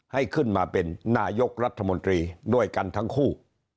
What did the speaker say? ให้ขึ้นมาเป็นนายกรัฐมนตรีด้วยกันทั้งคู่